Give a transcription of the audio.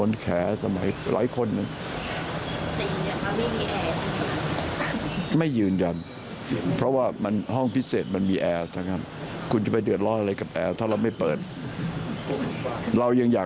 เรายังอยากได้แอร์